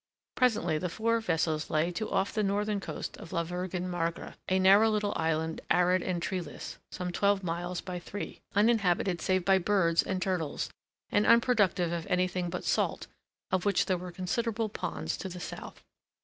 Presently the four vessels lay to off the northern coast of La Virgen Magra, a narrow little island arid and treeless, some twelve miles by three, uninhabited save by birds and turtles and unproductive of anything but salt, of which there were considerable ponds to the south.